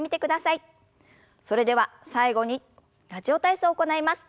それでは最後に「ラジオ体操」を行います。